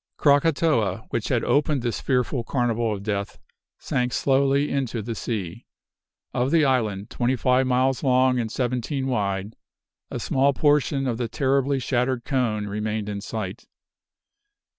Krakatoa, which had opened this fearful carnival of death, sank slowly into the sea. Of the island, twenty five miles long and seventeen wide, a small portion of the terribly shattered cone remained in sight.